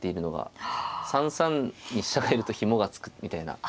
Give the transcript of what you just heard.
３三に飛車がいるとひもが付くみたいな。